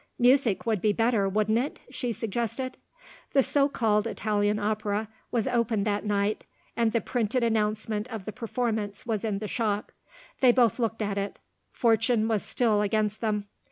"Music would be better, wouldn't it?" she suggested. The so called Italian Opera was open that night, and the printed announcement of the performance was in the shop. They both looked at it. Fortune was still against them.